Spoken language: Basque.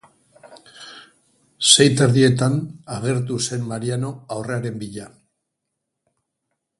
Sei eta erdietan agertu zen Mariano haurraren bila.